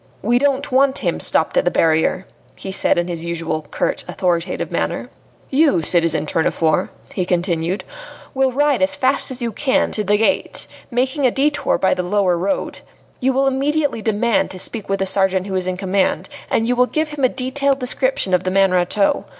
"We don't want him stopped at the barrier," he said in his usual curt, authoritative manner. "You, citizen Tournefort," he continued, "will ride as fast as you can to the gate, making a detour by the lower road. You will immediately demand to speak with the sergeant who is in command, and you will give him a detailed description of the man Rateau.